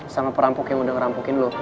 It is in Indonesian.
sama perampok yang udah ngerampokin dulu